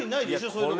そういう所。